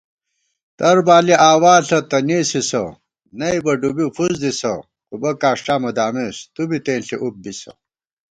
تر بالی آوا ݪہ تہ نېسِسہ نئیبہ ڈُوبی فُس دِسہ * اُبہ کاݭٹا مہ دامېس تُوبی تېنݪی اُب بِسہ